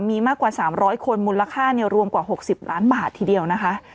มีมากกว่า๓๐๐คนมูลค่ารวมกว่า๖๐ล้านบาททีเดียวนะคะ